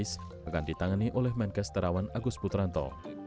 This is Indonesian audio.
peralatan dan tenaga medis akan ditangani oleh menkes terawan agus putranto